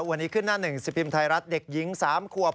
วันนี้ขึ้นหน้าหนึ่งสิบพิมพ์ไทยรัฐเด็กหญิง๓ขวบ